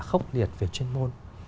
khốc liệt về chuyên môn